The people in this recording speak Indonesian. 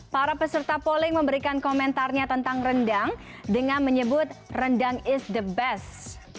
para peserta polling memberikan komentarnya tentang rendang dengan menyebut rendang is the best